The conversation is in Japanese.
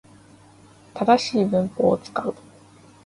正しい文法を使う